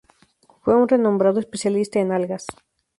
Fue un renombrado especialista en algas.